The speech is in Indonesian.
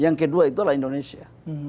yang kedua itu adalah indonesia